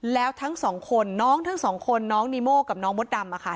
แล้วทั้ง๒คนน้องทั้ง๒คนน้องนีโม่กับน้องมดดำ